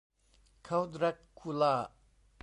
เค้าแดรกคูล่า